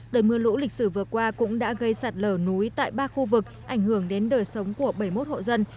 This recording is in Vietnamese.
đợt mưa lũ lịch sử vừa qua cũng đã gây sạt lở núi tại ba khu vực ảnh hưởng đến đời sống của bảy mươi một hộ dân